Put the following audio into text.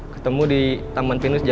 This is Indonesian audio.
ketemu di taman pinus jam enam